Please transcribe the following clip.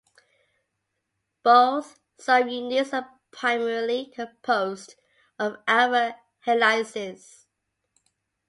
Both subunits are primarily composed of alpha helices.